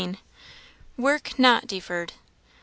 Work not deferred.